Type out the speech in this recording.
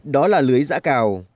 đó là lưới giã cào